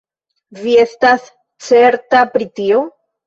Vi estas certa pri tio?